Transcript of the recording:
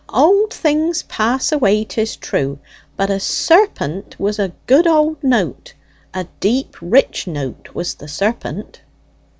"Old things pass away, 'tis true; but a serpent was a good old note: a deep rich note was the serpent."